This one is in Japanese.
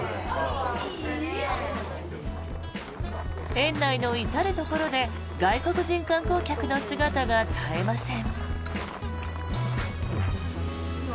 園内の至るところで外国人観光客の姿が絶えません。